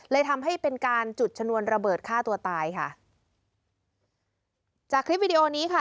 ทำให้เป็นการจุดชนวนระเบิดฆ่าตัวตายค่ะจากคลิปวิดีโอนี้ค่ะ